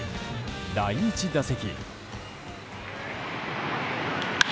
第１打席。